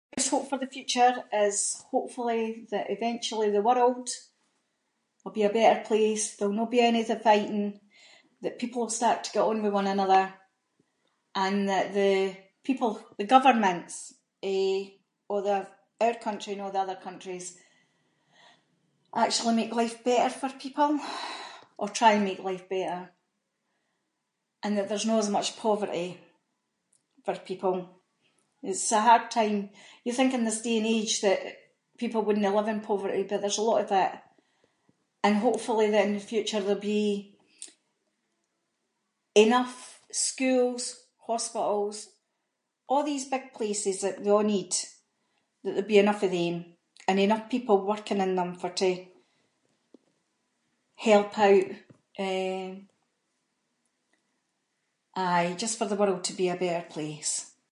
Biggest hope for the future is hopefully that eventually the world will be a better place, there’ll no be any of the fighting, that people’ll start to get on with one another, and that the people- the governments, eh, of the- our country and a’ the other countries, actually make life better for people, or try and make life better, and that there’s no as much poverty for people, it’s a hard time, you think in this day and age that people wouldnae live in poverty, but there’s a lot of it, and hopefully that in future there’ll be enough schools, hospitals, a’ these big places that we a’ need, that there’ll be enough of them, and enough people working in them for- to help out, eh, aye, just for the world to be a better place.